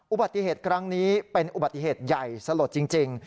อุบัติเหตุครั้งนี้เป็นอุบัติเหตุใหญ่สลดจริง